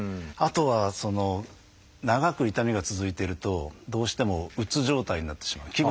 あとは長く痛みが続いてるとどうしてもうつ状態になってしまう。